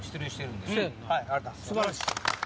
素晴らしい。